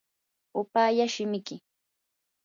upallaa shimiki.